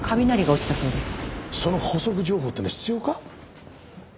その補足情報ってのは必要か？